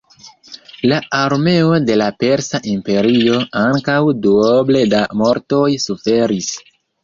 La armeo de la Persa Imperio ankaŭ duoble da mortoj suferis.